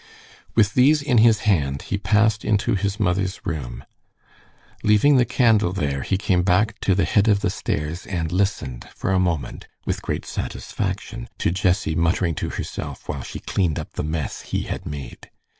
With these in his hand he passed into his mother's room. Leaving the candle there, he came back to the head of the stairs and listened for a moment, with great satisfaction, to Jessie muttering to herself while she cleaned up the mess he had made.